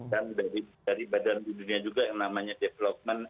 dan dari badan hidupnya juga yang namanya development